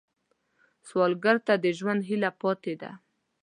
سوالګر ته د ژوند هیله پاتې ده